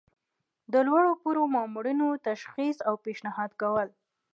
د لوړ پوړو مامورینو تشخیص او پیشنهاد کول.